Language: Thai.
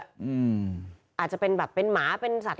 อาจจะเป็นแบบเป็นหมาเป็นสัตว